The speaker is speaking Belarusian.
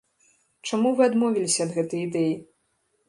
Чаму вы адмовіліся ад гэтай ідэі?